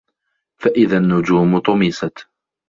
فَإِذَا النُّجومُ طُمِسَت